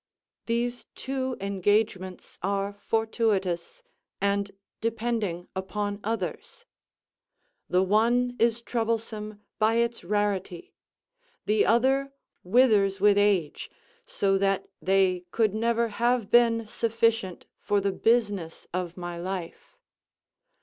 These two engagements are fortuitous, and depending upon others; the one is troublesome by its rarity, the other withers with age, so that they could never have been sufficient for the business of my life.